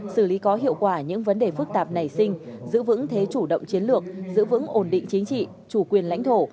xử lý có hiệu quả những vấn đề phức tạp nảy sinh giữ vững thế chủ động chiến lược giữ vững ổn định chính trị chủ quyền lãnh thổ